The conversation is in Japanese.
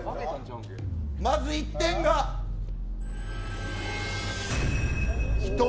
まず１点が１人。